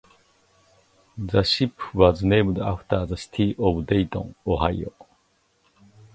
The ship was named after the city of Dayton, Ohio.